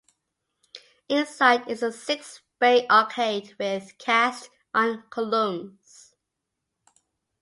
Inside is a six-bay arcade with cast iron columns.